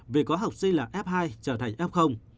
vì có học sinh là f hai trở thành f